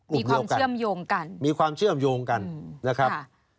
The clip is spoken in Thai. มีความเชื่อมโยงกันมีความเชื่อมโยงกันนะครับ